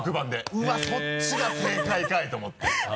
うわっそっちが正解かい！と思って。